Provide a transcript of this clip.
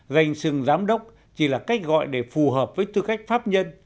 danh sừng giám đốc chỉ là cách gọi để phù hợp với tư cách pháp nhân